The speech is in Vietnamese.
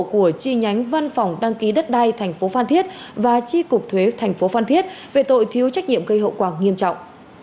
của chi nhánh văn phòng đăng ký đất đai tp phan thiết và chi cục thuế thành phố phan thiết về tội thiếu trách nhiệm gây hậu quả nghiêm trọng